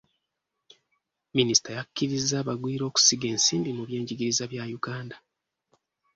Minisita yakkiriza abagwira okusiga ensimbi mu by'enjigiriza bya Uganda.